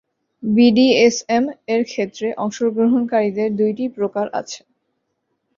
বিডিএসএম-এর ক্ষেত্রে অংশগ্রহণকারীদের দুইটি প্রকার আছে।